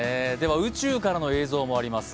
宇宙からの映像もあります。